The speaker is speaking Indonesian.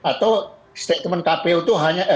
atau statement kpu itu hanya